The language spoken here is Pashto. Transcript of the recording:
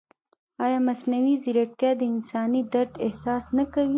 ایا مصنوعي ځیرکتیا د انساني درد احساس نه کوي؟